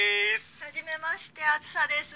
はじめましてあづさです。